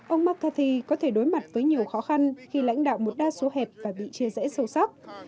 ông mccarthy có thể đối mặt với nhiều khó khăn khi lãnh đạo một đa số hẹp và bị chia rẽ sâu sắc